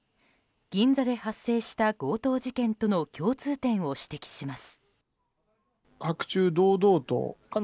銀座で発生した強盗事件との共通点を指摘します。